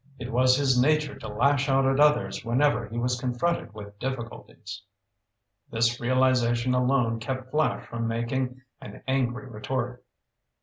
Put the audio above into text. It was his nature to lash out at others whenever he was confronted with difficulties. This realization alone kept Flash from making an angry retort.